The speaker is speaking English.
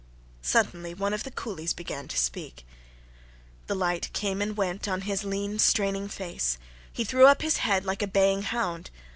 Suddenly one of the coolies began to speak. The light came and went on his lean, straining face; he threw his head up like a baying hound.